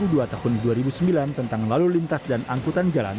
tahun dua tahun dua ribu sembilan tentang lalu lintas dan angkutan jalan